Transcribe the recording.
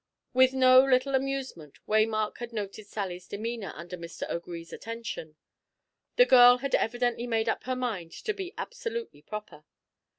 With no little amusement Waymark had noted Sally's demeanour under Mr. O'Gree's attentions. The girl had evidently made up her mind to be absolutely proper.